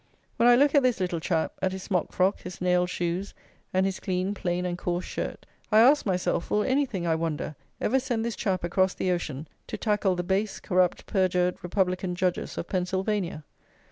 When I look at this little chap; at his smock frock, his nailed shoes, and his clean, plain, and coarse shirt, I ask myself, will anything, I wonder, ever send this chap across the ocean to tackle the base, corrupt, perjured Republican Judges of Pennsylvania?